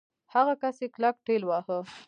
هغه کس يې کلک ټېلوهه.